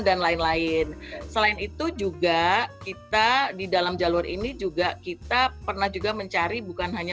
dan lain lain selain itu juga kita di dalam jalur ini juga kita pernah juga mencari bukan hanya